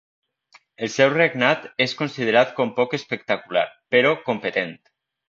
El seu regnat és considerat com poc espectacular, però competent.